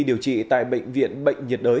điều trị tại bệnh viện bệnh nhiệt đới